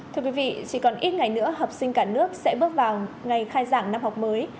thưa quý vị chỉ còn ít ngày nữa học sinh cả nước sẽ bước vào ngày khai giảng năm học mới